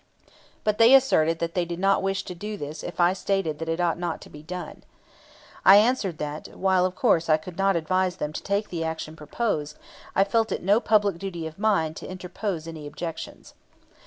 But they asserted that they did not wish to do this if I stated that it ought not to be done. I answered that, while of course I could not advise them to take the action proposed, I felt it no public duty of mine to interpose any objections.